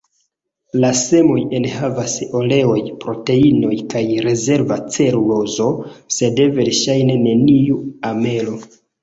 La semoj enhavas oleoj, proteinoj kaj rezerva celulozo, sed verŝajne neniu amelo.